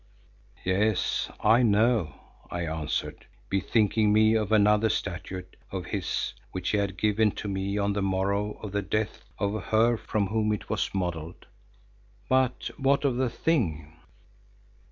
"Yes, I know," I answered, bethinking me of another statuette of his which he had given to me on the morrow of the death of her from whom it was modelled. "But what of the thing?"